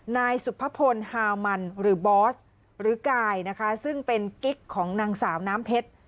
นายสุภพลฮามันหรือบอสหรือกายนะคะซึ่งเป็นกิ๊กของนางสาวน้ำเพชร